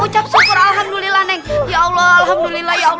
ucap syukur alhamdulillah neng